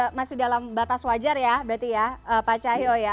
itu masih dalam batas wajar ya pak cahyo ya